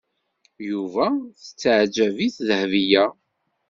Yuba tettaɛǧab-it Dahbiya.